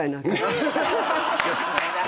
よくないな。